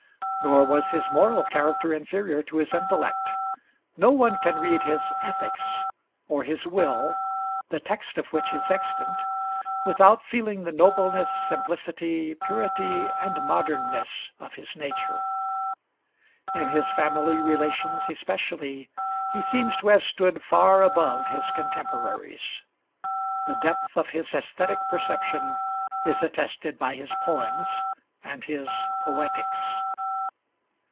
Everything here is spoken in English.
Nor was his moral character inferior to his intellect. No one can read his 'Ethics,' or his will (the text of which is extant), without feeling the nobleness, simplicity, purity, and modernness of his nature. In his family relations, especially, he seems to have stood far above his contemporaries. The depth of his aesthetic perception is attested by his poems and his 'Poetics.'